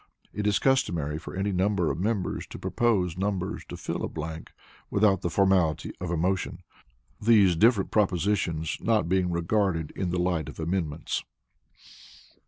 It is customary for any number of members to propose numbers to fill a blank without the formality of a motion, these different propositions not being regarded in the light of amendments.